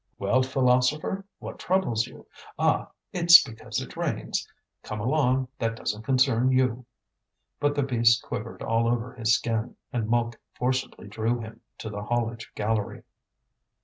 "Well, philosopher, what troubles you? Ah! it's because it rains. Come along, that doesn't concern you." But the beast quivered all over his skin, and Mouque forcibly drew him to the haulage gallery.